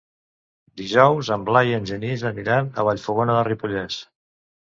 Dijous en Blai i en Genís aniran a Vallfogona de Ripollès.